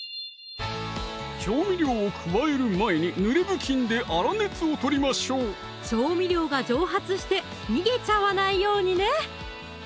調味料を加える前に濡れ布巾で粗熱をとりましょう調味料が蒸発して逃げちゃわないようにね